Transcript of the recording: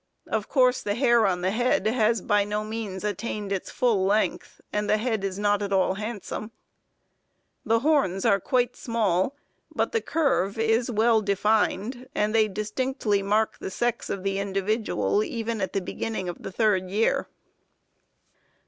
Of course the hair on the head has by no means attained its full length, and the head is not at all handsome. The horns are quite small, but the curve is well defined, and they distinctly mark the sex of the individual, even at the beginning of the third year.